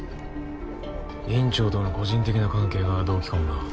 院長との個人的な関係が動機かもな。